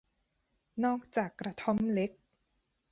นอกจากกระท่อมเล็ก